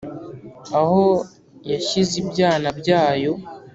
Aho yashyize ibyana byayo